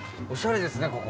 おしゃれですね